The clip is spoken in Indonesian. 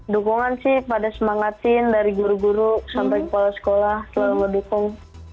dukungan sih pada semangatin dari guru guru sampai kepala sekolah selalu mendukung